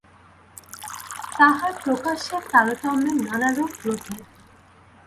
তাঁহার প্রকাশের তারতম্যেই নানারূপ প্রভেদ।